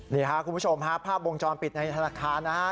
นี่ค่ะคุณผู้ชมฮะภาพวงจรปิดในธนาคารนะฮะ